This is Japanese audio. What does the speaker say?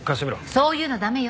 そういうの駄目よ。